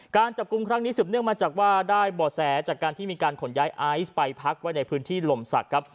การจับกลุ่มครั้งนี้สืบเนื่องมาจากว่าได้บ่อแสจากการที่มีการขนย้ายไอซ์ไปพักไว้ในพื้นที่ลมศักดิ์ครับ